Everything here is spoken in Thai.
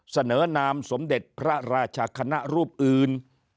เสนอนามสมเด็จพระราชคณะรูปอื่น